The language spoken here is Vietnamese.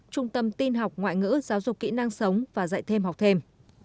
trung tâm tin học ngoại ngữ giáo dục kỹ năng sống và dạy thêm học thêm